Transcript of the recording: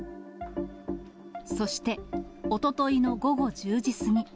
そして、おとといの午後１０時過ぎ。